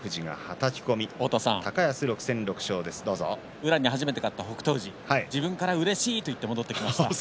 宇良に初めて勝った北勝富士自分からうれしいと言って戻ってきました。